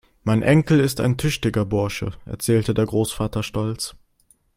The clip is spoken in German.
"Mein Enkel ist ein tüchtiger Bursche", erzählte der Großvater stolz.